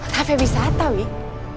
cafe bisata wih